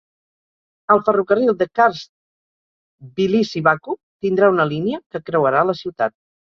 El ferrocarril The Kars-Tbilisi-Baku tindrà una línia que creuarà la ciutat.